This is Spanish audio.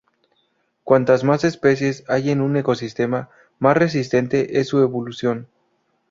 Cuantas más especies hay en un ecosistema más resistente es su evolución.